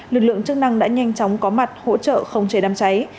lực lượng chức năng đã nhanh chóng có mặt hỗ trợ không chế đám cháy